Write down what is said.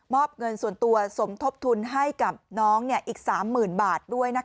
อบเงินส่วนตัวสมทบทุนให้กับน้องอีก๓๐๐๐บาทด้วย